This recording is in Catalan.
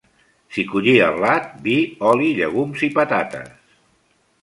S'hi collia blat, vi, oli, llegums i patates.